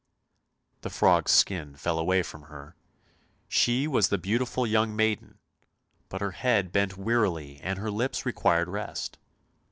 The frog's skin fell away from her, she was the beautiful young maiden, but her head bent wearily and her limbs required rest.